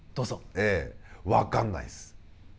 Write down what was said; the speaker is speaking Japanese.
ええ分かんないです。